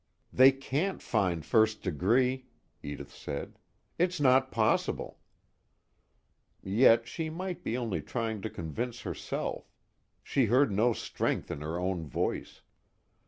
"They can't find first degree," Edith said. "It's not possible." Yet she might be only trying to convince herself; she heard no strength in her own voice.